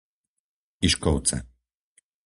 Ižkovce